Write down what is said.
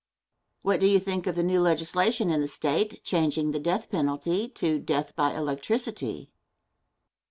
Question. What do you think of the new legislation in the State changing the death penalty to death by electricity?